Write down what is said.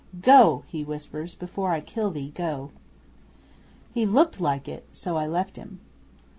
'"Go!" he whispers. "Before I kill thee, go." 'He looked like it. So I left him.